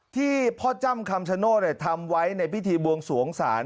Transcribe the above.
ที่พ่อจ้ำคำชโนธทำไว้ในพิธีบวงสวงศาล